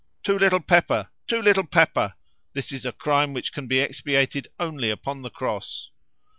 "Too little pepper! too little pepper! this is a crime which can be expiated only upon the cross!"